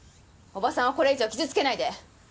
おばさんをこれ以上傷つけないで！